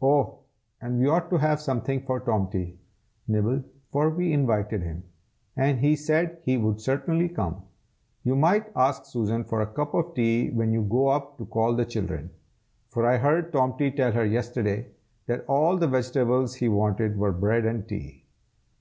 Oh! and we ought to have something for Tomty, Nibble, for we invited him, and he said he would certainly come. You might ask Susan for a cup of tea when you go up to call the children, for I heard Tomty tell her yesterday that all the vegetables he wanted were bread and tea."